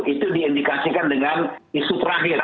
itu diindikasikan dengan isu terakhir